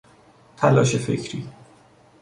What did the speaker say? تلاش فکری